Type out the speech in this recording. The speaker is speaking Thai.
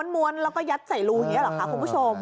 ้วนแล้วก็ยัดใส่รูอย่างนี้หรอคะคุณผู้ชม